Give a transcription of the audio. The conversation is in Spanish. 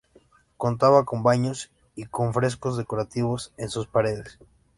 Contaba con baños y con frescos decorativos en sus paredes.